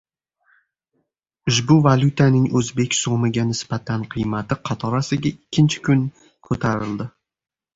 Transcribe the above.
Ushbu valyutaning o‘zbek so‘miga nisbatan qiymati qatorasiga ikkinchi kun ko‘tarildi